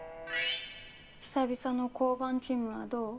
久々の交番勤務はどう？